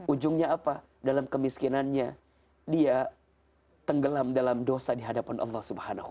ujungnya apa dalam kemiskinannya dia tenggelam dalam dosa di hadapan allah swt